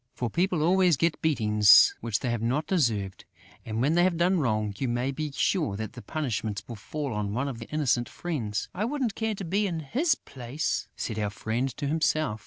For people always get beatings which they have not deserved; and, when they have done wrong, you may be sure that the punishment will fall on one of their innocent friends. "I wouldn't care to be in his place," said our friend to himself.